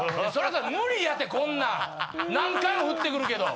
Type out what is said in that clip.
無理やてこんなん何回も振ってくるけど。